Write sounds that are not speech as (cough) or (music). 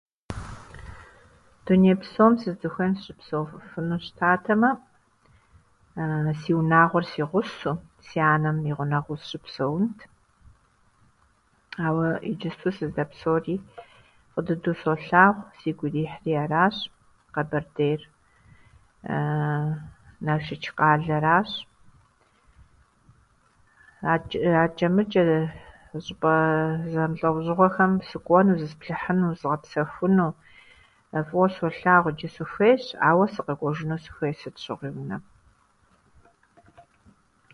Дуней псом сыздыхуейм сыщыпсэуфыну щытатэмэ, (hesitation) си унагъуэр си гъусэу си анэм и гъунэгъуу сыщыпсэунт, ауэ иджыпсту сыздэпсэури фӏы дыдэу солъагъу, сигу ирихьри аращ - Къэбэрдейр, (hesitation) Налшыч къалэращ. Атчӏэ- Атчӏэ-мытчӏэ зы щӏыпӏэ зэмылӏэужьыгъуэхэм сыкӏуэну, зысплъыхьыну, зызгъэпсэхуну фӏыуэ солъагъу ичӏи сыхуейщ, ауэ сыкъэкӏуэжыну сыхуей сыт щыгъуи унэм.